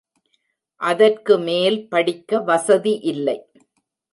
அதற்கு மேல் படிக்க வசதி இல்லை.